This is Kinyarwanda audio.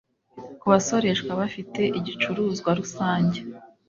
Ku basoreshwa bafite igicuruzwa rusange